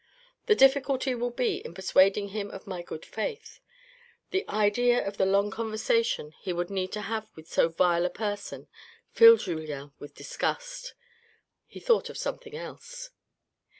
The difficulty will be in persuading him of my good faith." The idea of the long conversation he would need to have with so vile a person filled Julien with disgust. He thought of something else.